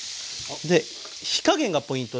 で火加減がポイントです。